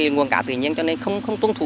nguồn cá tự nhiên cho nên không tuân thủ